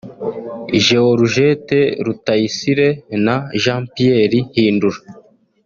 Georgette Rutayisire na Jean Pierre Hindura